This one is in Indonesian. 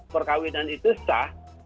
perkawinan itu sah